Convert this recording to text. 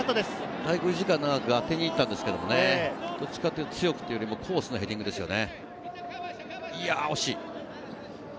滞空時間長く、当てに行ったんですけど、どっちかというと強くというか、コースのヘディングですね。